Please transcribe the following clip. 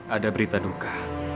ada berita duka